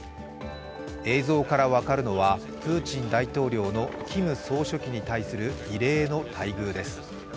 映像から分かるのはプーチン大統領のキム総書記に対する異例の待遇です。